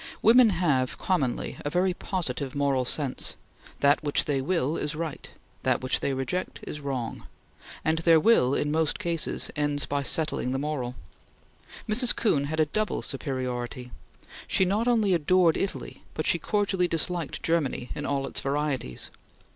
Women have, commonly, a very positive moral sense; that which they will, is right; that which they reject, is wrong; and their will, in most cases, ends by settling the moral. Mrs. Kuhn had a double superiority. She not only adored Italy, but she cordially disliked Germany in all its varieties.